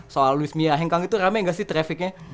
soal louis mila hengkang itu rame gak sih trafficnya